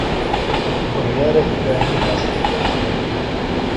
بڕیارە ئیبراهیم ڕاستییەکان بڵێت.